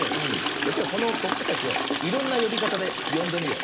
じゃきょうはこのコップたちをいろんなよびかたでよんでみよう。